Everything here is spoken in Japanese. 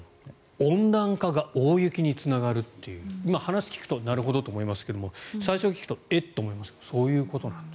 温暖化が大雪につながるという話を聞くとなるほどと思いますが最初に聞くとえっ？と思いますがそういうことなんです。